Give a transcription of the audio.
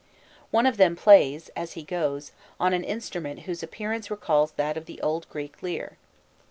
One of them plays, as he goes, on an instrument whose appearance recalls that of the old Greek lyre.